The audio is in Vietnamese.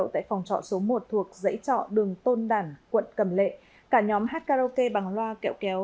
tại phòng trọ số một thuộc dãy trọ đường tôn đản quận cầm lệ cả nhóm hát karaoke bằng loa kẹo kéo